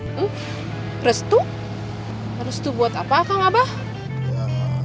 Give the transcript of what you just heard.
restu buat apa akang abah